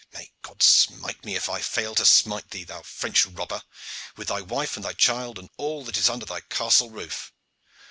May God smite me if I fail to smite thee, thou French robber, with thy wife and thy child and all that is under thy castle roof!"